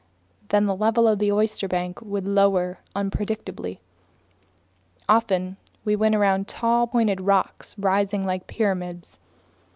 Then the level of the oysterbank would lower unpredictably. Often we went around tall, pointed rocks rising like pyramids.